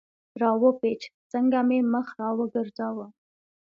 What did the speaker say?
را و پېچ، څنګه مې مخ را وګرځاوه.